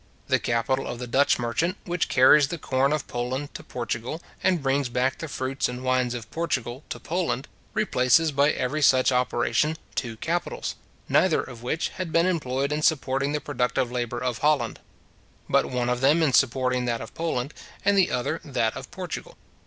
The capital of the Dutch merchant, which carries the corn of Poland to Portugal, and brings back the fruits and wines of Portugal to Poland, replaces by every such operation two capitals, neither of which had been employed in supporting the productive labour of Holland; but one of them in supporting that of Poland, and the other that of Portugal.